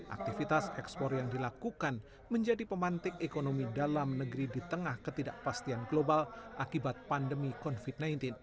aktivitas ekspor yang dilakukan menjadi pemantik ekonomi dalam negeri di tengah ketidakpastian global akibat pandemi covid sembilan belas